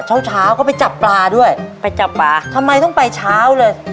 เช้าเช้าก็ไปจับปลาด้วยไปจับปลาทำไมต้องไปเช้าเลย